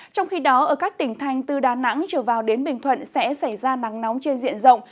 trong khi đó ở các tỉnh thành từ đà nẵng trở vào đến bình thuận sẽ xảy ra nắng nóng trên diện rộng